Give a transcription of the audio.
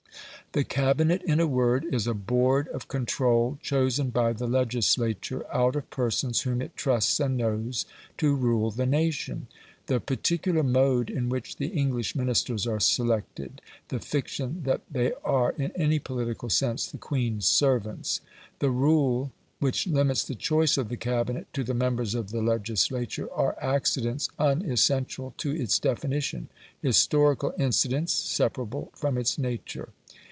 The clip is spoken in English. The Cabinet, in a word, is a board of control chosen by the legislature, out of persons whom it trusts and knows, to rule the nation. The particular mode in which the English Ministers are selected; the fiction that they are, in any political sense, the Queen's servants; the rule which limits the choice of the Cabinet to the members of the legislature are accidents unessential to its definition historical incidents separable from its nature.